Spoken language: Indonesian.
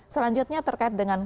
selanjutnya terkait dengan